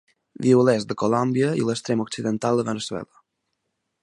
Viu a l'est de Colòmbia i l'extrem occidental de Veneçuela.